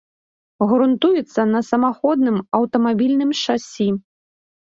Грунтуецца на самаходным аўтамабільным шасі.